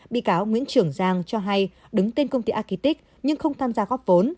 bị cáo nguyễn trường giang cho hay đứng tên công ty aqitic nhưng không tham gia góp vốn